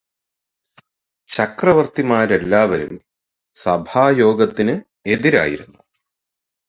ചക്രവര്ത്തിമാര് എല്ലാവരും സഭായോഗത്തിന് എത്തിയിരുന്നു